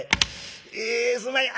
「えすんまへん。